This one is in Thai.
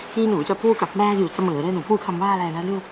ที่หนูจะพูดกับแม่อยู่เสมอแล้วหนูพูดคำว่าอะไรนะลูก